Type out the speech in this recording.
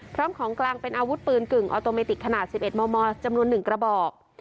พร้อมของกลางเป็นอาวุธปืนกึ่งออโตเมติกขนาด๑๑มมจำนวน๑กระบอก